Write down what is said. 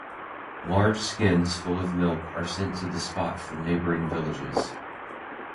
Large skins full of milk are sent to the spot from neighboring villages.